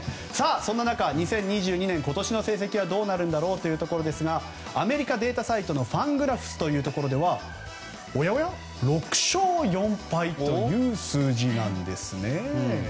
そんな中、２０２２年今年の成績はどうなるんだろうというところですがアメリカのデータサイトのファングラフスというところでは６勝４敗という数字なんですね。